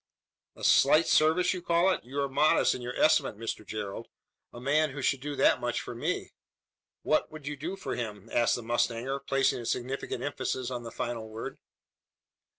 "A slight service, you call it? You are modest in your estimate, Mr Gerald. A man who should do that much for me!" "What would you do for him?" asked the mustanger, placing a significant emphasis on the final word.